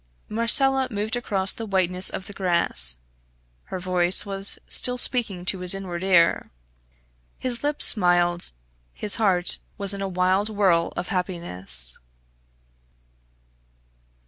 Marcella moved across the whiteness of the grass; her voice was still speaking to his inward ear. His lips smiled; his heart was in a wild whirl of happiness.